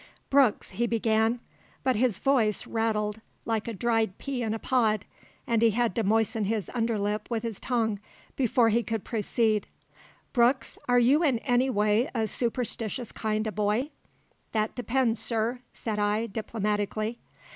"Brooks," he began but his voice rattled like a dried pea in a pod, and he had to moisten his under lip with his tongue before he could proceed "Brooks, are you in any way a superstitious kind o' boy?" "That depends, sir," said I, diplomatically.